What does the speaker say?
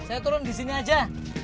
saya turun disini aja